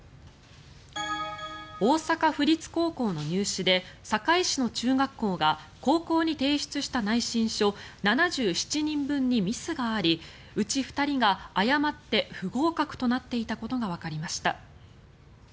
大阪府立高校の入試で堺市の中学校が高校に提出した内申書７７人分にミスがありうち２人が誤って不合格となっていたことがわかりました。